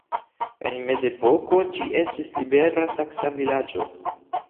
En mezepoko ĝi estis libera saksa vilaĝo.